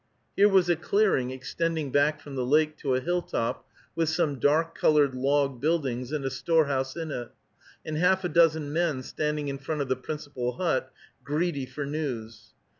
Here was a clearing extending back from the lake to a hilltop, with some dark colored log buildings and a storehouse in it, and half a dozen men standing in front of the principal hut, greedy for news.